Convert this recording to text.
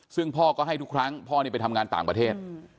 ซึ่งพ่อก็ให้ทุกครั้งพ่อไปทำงานต่างประเทศ